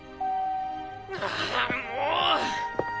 ああもう！